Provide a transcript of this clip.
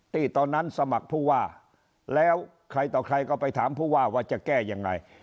ที่ตอนนั้นสมัครผู้ว่าแล้วใครต่อใครก็ไปถามผู้ว่าว่าจะแก้ยังไง